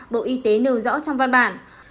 bộ y tế nêu rõ trong văn bản